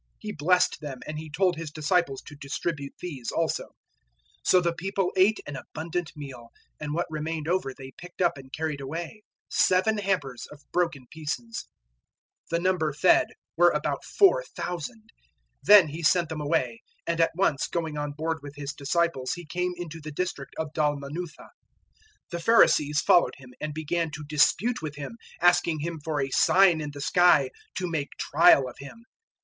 He blessed them, and He told His disciples to distribute these also. 008:008 So the people ate an abundant meal; and what remained over they picked up and carried away seven hampers of broken pieces. 008:009 The number fed were about 4,000. Then He sent them away, 008:010 and at once going on board with His disciples He came into the district of Dalmanutha. 008:011 The Pharisees followed Him and began to dispute with Him, asking Him for a sign in the sky, to make trial of Him.